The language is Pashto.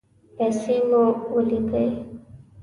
پیسې مو ولیکئ